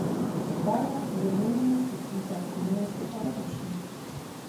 باید له نورو فکري سرچینو استفاده وشي